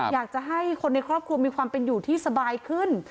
อยากจะให้คนในครอบครัวมีความเป็นอยู่ที่สบายขึ้น